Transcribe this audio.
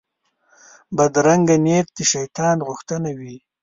بدرنګه نیت د شیطان غوښتنه وي